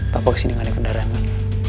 papa kesini gak ada kendaraan